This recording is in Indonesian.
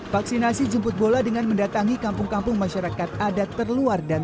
vaksinasi jemput bola dengan mendatangi kampung kampung masyarakat adat terluar dan